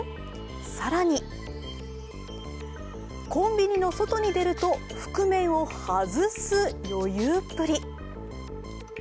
更にコンビニの外に出ると覆面を外す余裕っぷり。